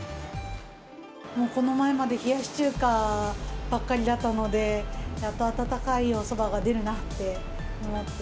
この前まで冷やし中華ばかりだったので、やっと温かいおそばが出るなって思って。